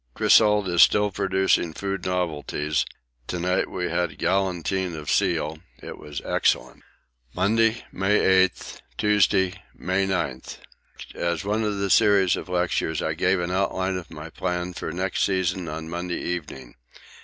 Clissold is still producing food novelties; to night we had galantine of seal it was excellent. Monday, May 8 Tuesday, May 9. As one of the series of lectures I gave an outline of my plans for next season on Monday evening.